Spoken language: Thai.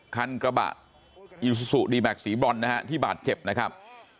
คันกระบะอิซูซูดีแม็กซีบรอนนะฮะที่บาดเจ็บนะครับ